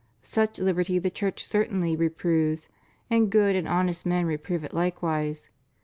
Such liberty the Church certainly reproves, and good and honest men reprove it likewise.